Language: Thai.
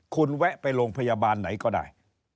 คุณแวะไปโรงพยาบาลไหนก็ได้